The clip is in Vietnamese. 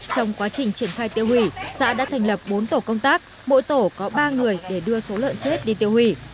trong quá trình triển khai tiêu hủy xã đã thành lập bốn tổ công tác mỗi tổ có ba người để đưa số lợn chết đi tiêu hủy